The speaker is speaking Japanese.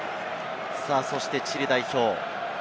そしてチリ代表。